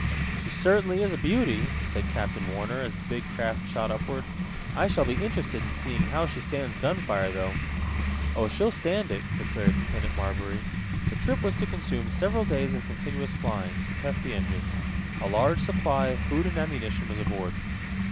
"She certainly is a beauty," said Captain Warner, as the big craft shot upward. "I shall be interested in seeing how she stands gun fire, though." "Oh, she'll stand it," declared Lieutenant Marbury. The trip was to consume several days of continuous flying, to test the engines. A large supply of food and ammunition was aboard.